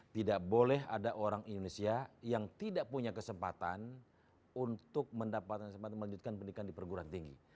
tidak boleh ada orang indonesia yang tidak punya kesempatan untuk mendapatkan kesempatan melanjutkan pendidikan di perguruan tinggi